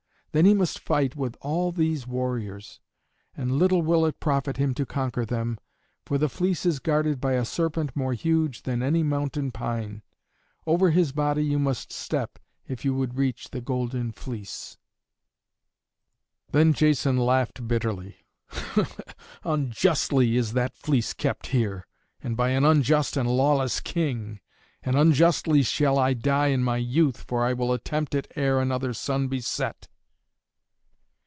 Then he must fight with all these warriors. And little will it profit him to conquer them, for the fleece is guarded by a serpent more huge than any mountain pine. Over his body you must step if you would reach the Golden Fleece." Then Jason laughed bitterly: "Unjustly is that fleece kept here, and by an unjust and lawless King, and unjustly shall I die in my youth, for I will attempt it ere another sun be set."